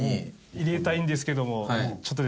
入れたいんですけどもちょっとですね